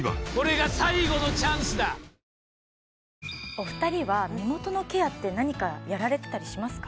お二人は目元のケアって何かやられてたりしますか？